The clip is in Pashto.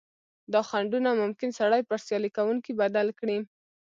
دا خنډونه ممکن سړی پر سیالي کوونکي بدل کړي.